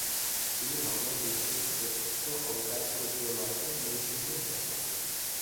তিনি ভগবান বিষ্ণুর চতুর্থ অবতার উগ্রমাধব নৃসিংহ র উপাসনা